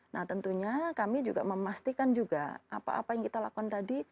nah tentunya kami juga memastikan juga apa apa yang kita lakukan tadi